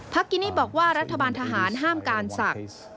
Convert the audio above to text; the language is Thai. กินี่บอกว่ารัฐบาลทหารห้ามการศักดิ์